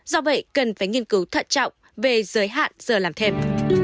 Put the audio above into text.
do vậy cần phải nghiên cứu thận trọng về giới hạn giờ làm thêm